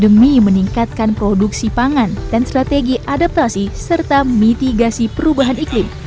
demi meningkatkan produksi pangan dan strategi adaptasi serta mitigasi perubahan iklim